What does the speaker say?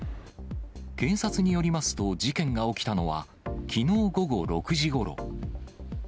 警察によりますと、事件が起きたのは、きのう午後６時ごろ。